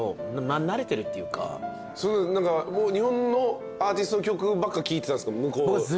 日本のアーティストの曲ばっか聴いてたんですか？